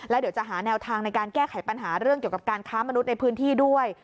เดี๋ยวจะหาแนวทางในการแก้ไขปัญหาเรื่องเกี่ยวกับการค้ามนุษย์ในพื้นที่ด้วย